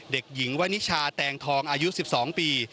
เด็กหญิงวนิชาแตงทองอายุ๑๒ปี